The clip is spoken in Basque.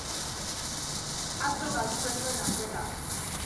Atzo galdu genuen aukera.